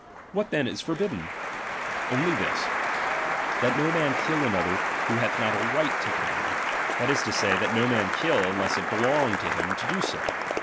What then is for bidden ? Only this : that no man kill another, who hath not a right to kill him ; that is to say, that no man kill, unless it belong to him to do so.